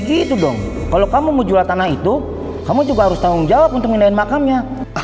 itu dong kalau kamu mau jual tanah itu kamu juga harus tanggung jawab untuk pindahin makamnya